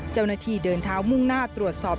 เจ้าหน้าที่เดินเท้ามุ่งหน้าตรวจสอบ